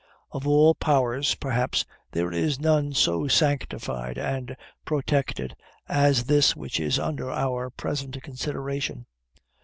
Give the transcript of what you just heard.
Of all powers, perhaps, there is none so sanctified and protected as this which is under our present consideration.